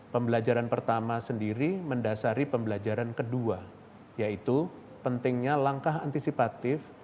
pembelajaran pertama sendiri mendasari pembelajaran kedua yaitu pentingnya langkah antisipatif